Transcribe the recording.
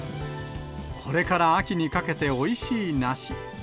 これから秋にかけておいしい梨。